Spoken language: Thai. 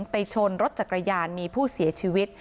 ไปชนรถจักรยานมีผู้เสียชีวิต